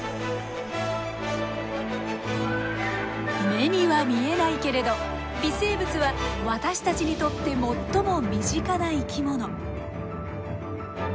目には見えないけれど微生物は私たちにとって最も身近な生き物。